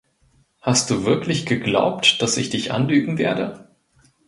Hast du wirklich geglaubt, dass ich dich anlügen werde?